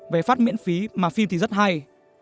về phát miễn phí mà phim thì rất hay